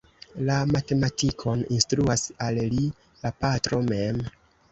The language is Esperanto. La matematikon instruas al li la patro mem.